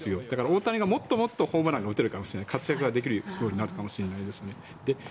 だから、大谷がもっともっとホームランが打てるかもしれない活躍できるかもしれないですね。